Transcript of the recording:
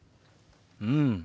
うん。